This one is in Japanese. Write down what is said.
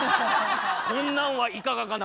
「こんなんはいかがかな？」